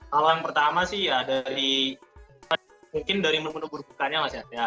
kalau yang pertama sih ya dari mungkin dari menu menu burukannya mas fais ya